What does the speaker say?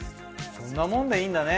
そんなもんでいいんだね。